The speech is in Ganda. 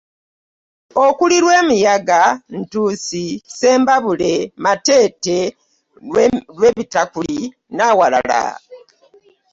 Okuli; Lwemiyaga, Ntuusi, Ssembabule, Mateete, Lwebitakuli n'awalala.